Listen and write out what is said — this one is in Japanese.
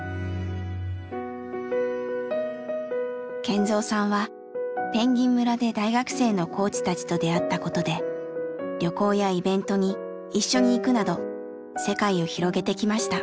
健三さんはぺんぎん村で大学生のコーチたちと出会ったことで旅行やイベントに一緒に行くなど世界を広げてきました。